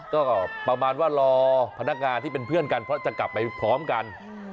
ก็ประมาณว่ารอพนักงานที่เป็นเพื่อนกันเพราะจะกลับไปพร้อมกัน